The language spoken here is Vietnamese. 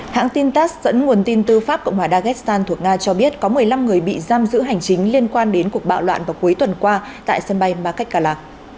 hãng tin tass dẫn nguồn tin tư pháp cộng hòa dagestan thuộc nga cho biết có một mươi năm người bị giam giữ hành chính liên quan đến cuộc bạo loạn vào cuối tuần qua tại sân bay makhachkala